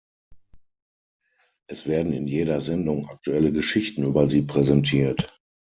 Es werden in jeder Sendung aktuelle Geschichten über sie präsentiert.